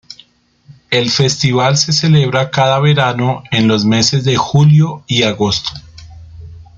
El festival se celebra cada verano, en los meses de julio y agosto.